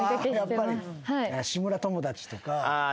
『志村友達』とか。